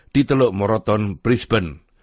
di teluk moroton malaysia